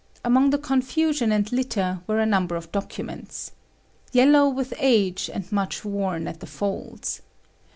Among the confusion and litter were a number of documents, Yellow with age and much worn at the folds.